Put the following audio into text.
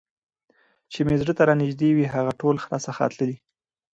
چي مي زړه ته رانیژدې وي هغه ټول راڅخه تللي